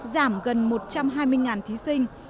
giảm gần một trăm hai mươi thí sinh